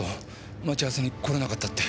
待ち合わせに来れなかったって。